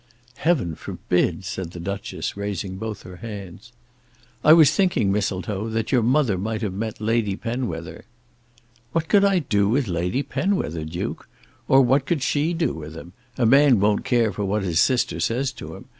"Heaven forbid!" said the Duchess, raising both her hands. "I was thinking, Mistletoe, that your mother might have met Lady Penwether." "What could I do with Lady Penwether, Duke? Or what could she do with him? A man won't care for what his sister says to him.